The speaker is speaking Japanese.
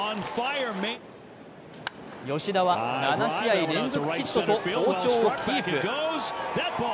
吉田は７試合連続ヒットと好調をキープ。